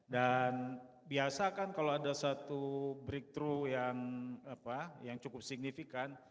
dan biasa kan kalau ada satu breakthrough yang cukup signifikan